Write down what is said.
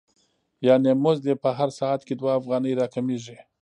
یانې مزد یې په هر ساعت کې دوه افغانۍ را کمېږي